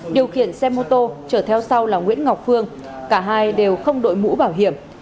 điều khiển xe mô tô trở theo sau là nguyễn ngọc phương cả hai đều không đội mũ bảo hiểm